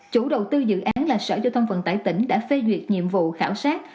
chủ đầu tư dự án là sở giao thông vận tải tỉnh đã phê duyệt nhiệm vụ khảo sát